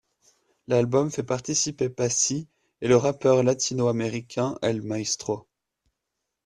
L'album fait participer Passi, et le rappeur latino-américain El Maestro.